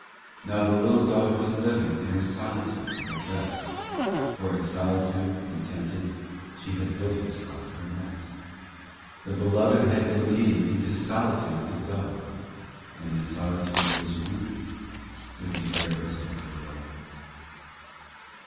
35 Now the little dove was living In her solitude at rest ; For in solitude, contented, She had built herself her nest. Tke Beloved had been leading Into solitude the dove, And in solitude was wounded With the arrows of her love.